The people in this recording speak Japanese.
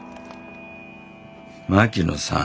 槙野さん。